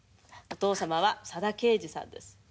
お父さまは佐田啓二さんです」